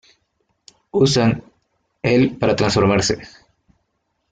Usan el para transformarse.